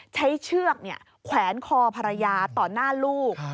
เชือกแขวนคอภรรยาต่อหน้าลูก